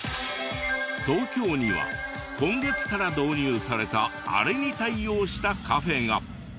東京には今月から導入されたあれに対応したカフェが。